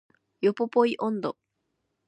ヨポポイ音頭